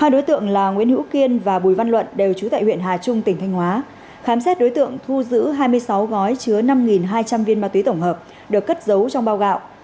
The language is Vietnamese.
hai đối tượng là nguyễn hữu kiên và bùi văn luận đều trú tại huyện hà trung tỉnh thanh hóa khám xét đối tượng thu giữ hai mươi sáu gói chứa năm hai trăm linh viên ma túy tổng hợp được cất giấu trong bao gạo